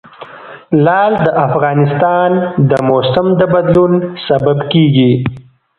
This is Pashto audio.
لعل د افغانستان د موسم د بدلون سبب کېږي.